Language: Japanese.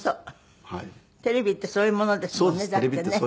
テレビってそういうものですもんね。